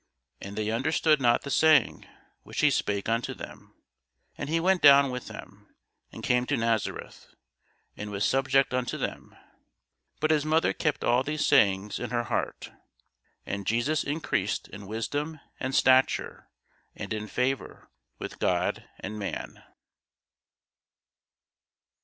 And they understood not the saying which he spake unto them. And he went down with them, and came to Nazareth, and was subject unto them: but his mother kept all these sayings in her heart. And Jesus increased in wisdom and stature, and in favour with God and man.